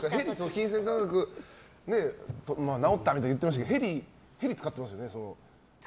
金銭感覚、直ったみたいに言ってましたけどヘリ、使ってますよね。